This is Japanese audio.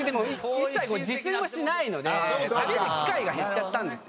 一切自炊もしないので食べる機会が減っちゃったんです。